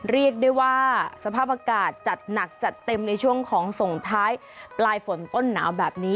เรียกได้ว่าสภาพอากาศจัดหนักจัดเต็มในช่วงของส่งท้ายปลายฝนต้นหนาวแบบนี้